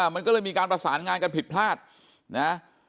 มันก็เลยมีการประสานงานกันผิดพลาดนะ